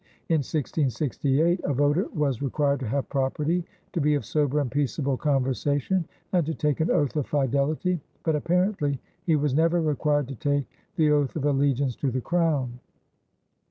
In 1668, a voter was required to have property, to be "of sober and peaceable conversation," and to take an oath of fidelity, but apparently he was never required to take the oath of allegiance to the Crown.